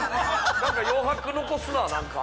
何か余白残すなぁ何か。